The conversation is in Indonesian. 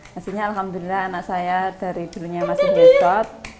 hasilnya alhamdulillah anak saya dari dulunya masih jodot